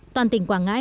toàn tỉnh quảng ngãi